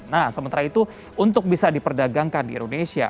nah sementara itu untuk bisa diperdagangkan di indonesia